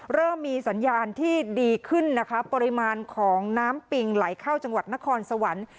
เริ่มมีสัญญาณที่ดีขึ้นนะคะปริมาณของน้ำปิงไหลเข้าจังหวัดนครสวรรค์